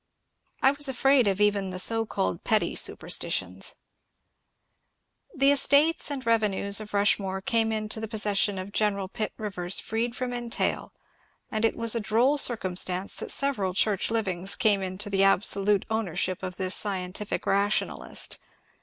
I was afraid of even the so called pretty superstitions. GENERAL PITT RIVERS 336 The estates and revenues of Rushmore came into the pos session of General Pitt Rivers freed from entail, and it was a droll circiimstance that several Church livings came into the absolute ownership of this scientific rationalist.